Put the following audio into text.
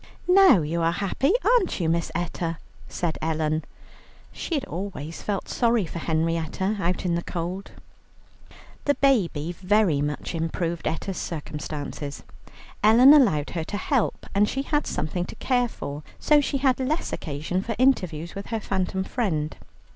"Now you are happy, aren't you, Miss Etta?" said Ellen; she had always felt sorry for Henrietta out in the cold. The baby very much improved Etta's circumstances. Ellen allowed her to help, and she had something to care for, so she had less occasion for interviews with her phantom friend.